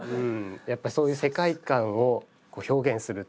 やっぱりそういう世界観を表現する。